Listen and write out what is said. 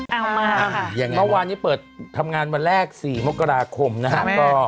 เอามาค่ะยังไงมันวานนี้เปิดทำงานวันแรก๔มกราคมนะครับก็